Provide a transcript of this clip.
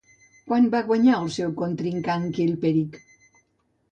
Quan va guanyar el seu contrincant Khilperic?